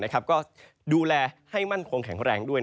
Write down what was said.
ก็ดูแลให้มั่นคงแข็งแรงด้วย